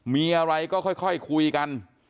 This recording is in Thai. มีอะไรก็ค่อยคุยกัน